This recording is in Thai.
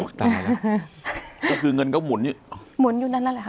ตายแล้วก็คือเงินก็หมุนอยู่หมุนอยู่นั่นนั่นแหละค่ะ